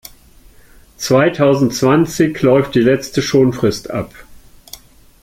Zweitausendzwanzig läuft die letzte Schonfrist ab.